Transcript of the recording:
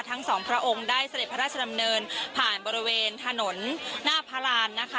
ทั้งสองพระองค์ได้เสด็จพระราชดำเนินผ่านบริเวณถนนหน้าพระราณนะคะ